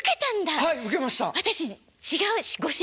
はい。